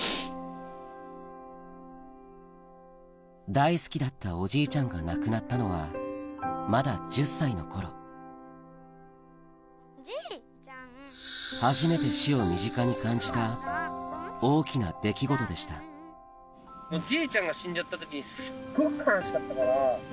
大好きだったおじいちゃんが亡くなったのはまだ１０歳の頃初めて死を身近に感じた大きな出来事でしたの僕だし。